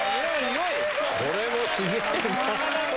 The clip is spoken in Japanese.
これもすごいな。